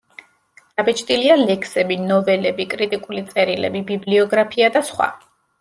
დაბეჭდილია ლექსები, ნოველები, კრიტიკული წერილები, ბიბლიოგრაფია და სხვა.